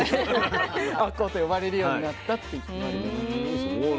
あこうと呼ばれるようになったって言われております。